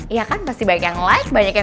iya kan pasti banyak yang like baik baik aja ya